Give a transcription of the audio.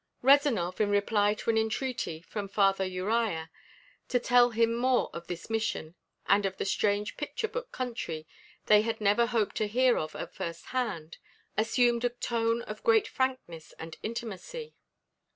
Rezanov, in reply to an entreaty from Father Uria to tell them more of his mission and of the strange picture book country they had never hoped to hear of at first hand, assumed a tone of great frankness and intimacy.